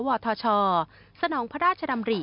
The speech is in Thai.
หรือสวทชสนองพระราชดำริ